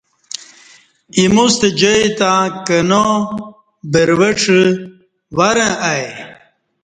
ایمو ستہ جائ تہ کنا، بروڄہ، ورں ائی